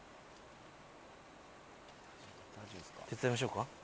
手伝いましょうか？